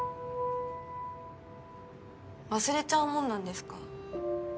忘れちゃうもんなんですか？